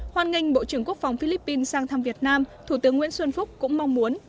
hoan nghênh bộ trưởng quốc phòng philippines sang thăm việt nam thủ tướng nguyễn xuân phúc cũng mong muốn